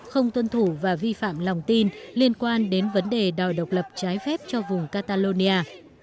không tuân thủ và vi phạm lòng tin liên quan đến vấn đề đòi độc lập trái phép cho vùng catalonia